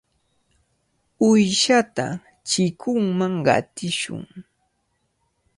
Uyshata chikunman qatishun.